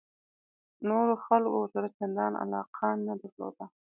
نورو خلکو ورسره چندان علاقه نه درلوده.